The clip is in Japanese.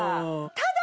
ただ？